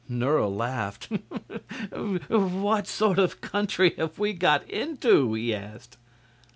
Nerle laughed. "What sort of country have we got into?" he asked.